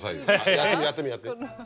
やってみやってみやってみ。